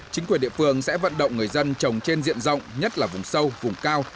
chính quyền địa phương sẽ vận động người dân trồng trên diện rộng nhất là vùng sâu vùng cao